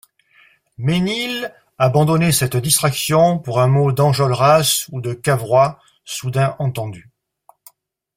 Mesnil abandonnait cette distraction pour un mot d'Enjolras ou de Cavrois soudain entendu.